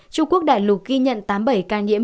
trung quốc đại lục ghi nhận tám mươi bảy ca nhiễm